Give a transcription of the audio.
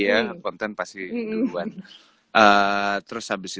ya konten pasti ivan terus habis itu bunga dua lagu baru dua puluh dua baru terus tiga lagu anak anak yang